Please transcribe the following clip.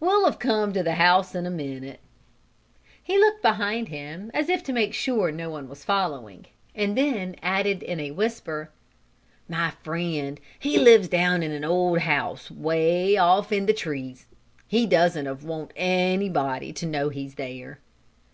"We'll of come to the house in a minute." He looked behind him, as if to make sure no one was following, and then added in a whisper: "My friend, he lives down in an old house away off in the trees. He doesn't of want anybody to know he's there."